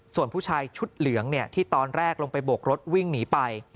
ส่วนผู้ชายชุดเหลืองที่ตอนแรกลงไปโบกรถวิ่งหนีไป